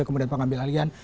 kemudian pengambilan alian